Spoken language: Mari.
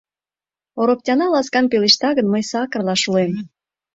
Ороптяна ласкан пелешта гын, мый сакырла шулем.